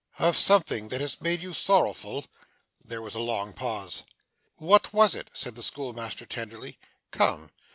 'Of something that has made you sorrowful?' There was a long pause. 'What was it?' said the schoolmaster, tenderly. 'Come.